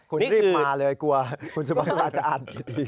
คุณรีบมาเลยกลัวคุณสุภาษาจะอ่าน